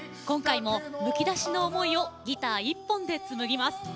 今回も、むきだしの思いをギター１本で紡ぎます。